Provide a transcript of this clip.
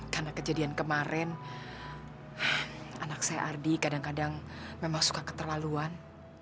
karena kejadian kemarin anak saya ardi kadang kadang memang suka keterlaluan